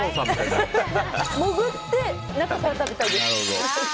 潜って中から食べたいです。